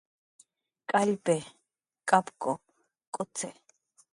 K'allpi, k'apku, k'ucxi